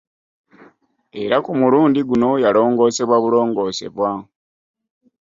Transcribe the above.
Era ku mulundi guno yalongoosebwa bulongoosebwa